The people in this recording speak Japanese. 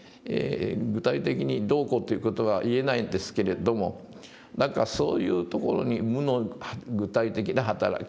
具体的にどうこうという事は言えないんですけれども何かそういうところに無の具体的な働き。